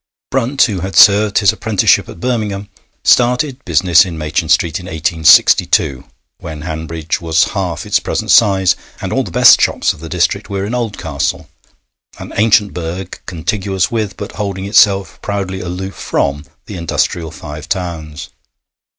Brunt, who had served his apprenticeship at Birmingham, started business in Machin Street in 1862, when Hanbridge was half its present size and all the best shops of the district were in Oldcastle, an ancient burg contiguous with, but holding itself proudly aloof from, the industrial Five Towns.